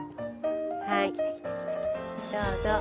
はいどうぞ。